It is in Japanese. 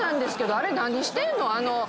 あれ何してんの？